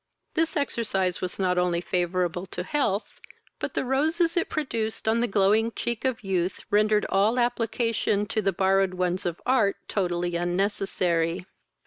This exercise was not only favourable to health, but the roses it produced on the glowing cheek of youth rendered all application to the borrowed ones of art totally unnecessary.